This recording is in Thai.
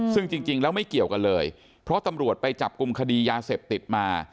ซึ่งจริงแล้วไม่เกี่ยวกันเลยเพราะตำรวจไปจับกลุ่มคดียาเสพติดมา